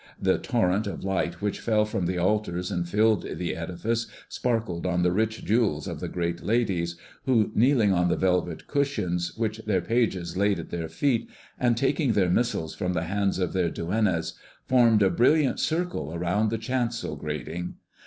The torrent of light which fell from the altars and filled the edifice sparkled on the rich jewels of the great ladies, who, kneeling on the velvet cushions which their pages laid at their feet, and taking their missals from the hands of their duennas, formed a brilliant circle around the chancel grating.